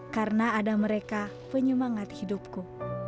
karena ada mereka penyemangat hidupku